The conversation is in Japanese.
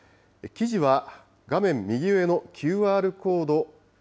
記事は、画面右上のＱＲコードを